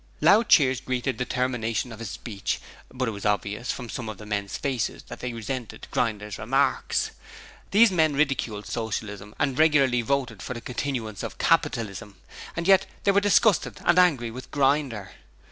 Loud cheers greeted the termination of his speech, but it was obvious from some of the men's faces that they resented Grinder's remarks. These men ridiculed Socialism and regularly voted for the continuance of capitalism, and yet they were disgusted and angry with Grinder!